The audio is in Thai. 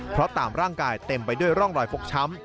เพราะตามร่างกายเต็มไปด้วยร่องรอยฟกช้ำ